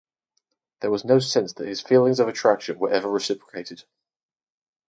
There was no sense that his feelings of attraction were ever reciprocated.